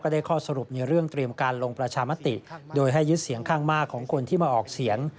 ได้ข้อสรุปในเรื่องเตรียมการลงประชามติโดยให้ยึดเสียงข้างมากของคนที่มาออกเสียง